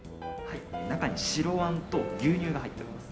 中に白あんと牛乳が入っております。